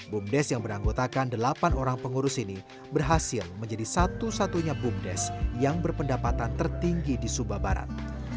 bumdes yang beranggotakan delapan orang pengurus ini berhasil menjadi satu satunya bumdes yang berpendapatan tertinggi di sumba barat